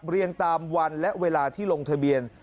เรียงตามวันและเวลาที่ลงทะเบียน